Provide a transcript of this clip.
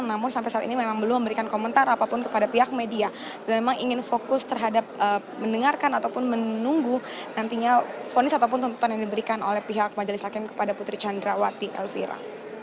namun sampai saat ini memang belum memberikan komentar apapun kepada pihak media dan memang ingin fokus terhadap mendengarkan ataupun menunggu nantinya fonis ataupun tuntutan yang diberikan oleh pihak majelis hakim kepada putri candrawati elvira